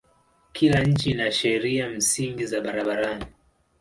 Kila nchi ina sheria msingi za barabarani.